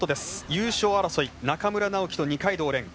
優勝争い、中村直幹と二階堂蓮。